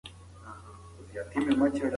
د بې وزلو لاسنیوی وکړئ.